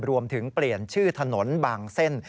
รวมถึงเปลี่ยนชื่อถนนบางเส้น